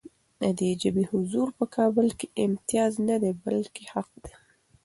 د دې ژبې حضور په کابل کې امتیاز نه دی، بلکې حق دی.